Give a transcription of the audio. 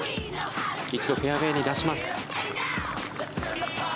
一度、フェアウェーに出します。